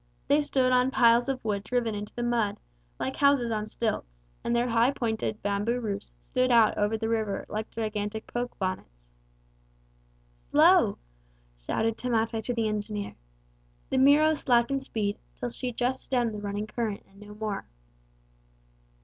They stood on piles of wood driven into the mud, like houses on stilts, and their high pointed bamboo roofs stood out over the river like gigantic poke bonnets. "Slow," shouted Tamate to the engineer. The Miro slackened speed till she just stemmed the running current and no more.